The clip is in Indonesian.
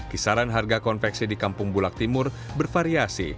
kisaran harga konveksi di kampung bulak timur bervariasi